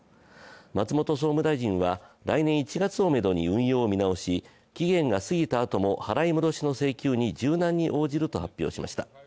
松本総務大臣は来年１月をめどに運用を見直し、期限が過ぎたあとも払い戻しの請求に柔軟に応じると発表しました。